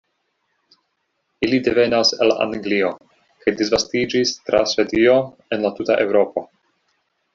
Ili devenas el Anglio kaj disvastiĝis tra Svedio en la tuta Eŭropo.